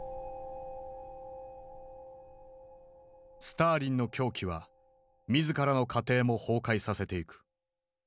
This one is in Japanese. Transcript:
スターリンの狂気は自らの家庭も崩壊させていく。